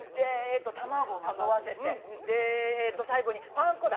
卵まとわせて、えーと、最後にパン粉だ。